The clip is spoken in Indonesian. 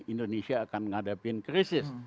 indonesia akan menghadapi krisis